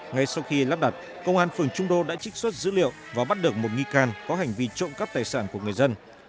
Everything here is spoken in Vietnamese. ngay sau khi lắp đặt công an phường trung đô đã trích xuất dữ liệu và bắt được một nghi can có hành vi trộm cắp tài sản của người dân